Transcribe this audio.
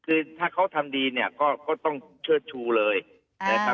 คือถ้าเขาทำดีเนี่ยก็ก็ต้องเชื่อชูเลยอ่า